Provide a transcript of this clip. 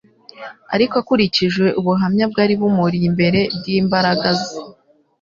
Ariko akurikije ubuhamya bwari bumuri imbere bw’imbaraga ze,